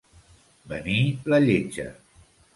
Venir la Lletja.